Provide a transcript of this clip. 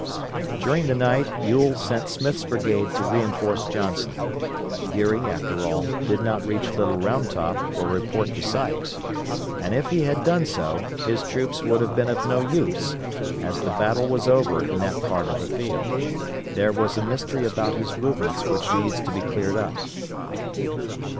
During the night Ewell sent Smith's brigade to reinforce Johnson. Geary, after all, did not reach Little Round Top or report to Sykes, and if he had done so, his troops would have been of no use, as the battle was over in that part of the field. There was a mystery about his movements which needs to be cleared up.